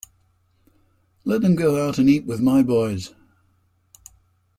Let them go out and eat with my boys.